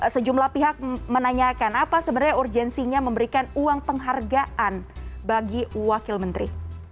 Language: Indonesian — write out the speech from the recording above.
sejumlah pihak menanyakan apa sebenarnya urgensinya memberikan uang penghargaan bagi wakil menteri